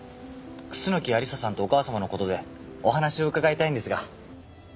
楠木亜理紗さんとお母様の事でお話を伺いたいんですが。